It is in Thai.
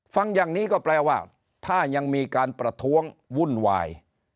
ฟังอย่างนี้ก็แปลว่าถ้ายังมีการประท้วงวุ่นวาย